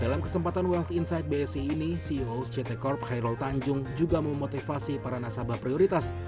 dalam kesempatan wealth insight bsi ini ceos ct corp khairul tanjung juga memotivasi para nasabah prioritas